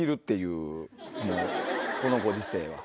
このご時世は。